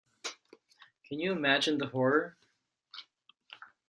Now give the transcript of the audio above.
Can you imagine the horror?